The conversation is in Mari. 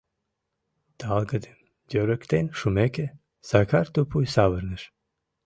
Талгыдым йӧрыктен шумеке, Сакар тупуй савырныш..